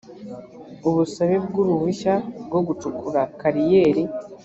ubusabe bw uruhushya rwo gucukura kariyeri